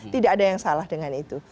tidak ada yang salah dengan itu